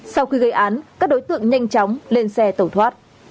sau khi gây án các đối tượng nhanh chóng lên xe tẩu thoát